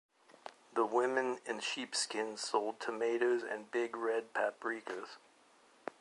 The women in sheepskins sold tomatoes and big red paprikas.